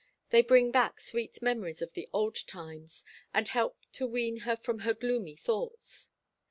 They bring back sweet memories of the old time, and help to wean her from her gloomy thoughts.